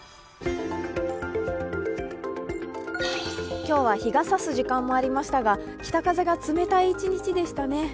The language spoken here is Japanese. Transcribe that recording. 今日は日がさす時間もありましたが、北風が冷たい一日でしたね。